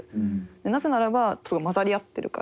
なぜならばすごい交ざり合ってるから。